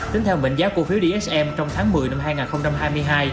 tính theo mệnh giá cổ phiếu dsm trong tháng một mươi năm hai nghìn hai mươi hai